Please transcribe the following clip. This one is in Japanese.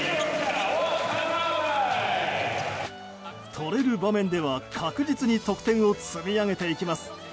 取れる場面では確実に得点を積み上げていきます。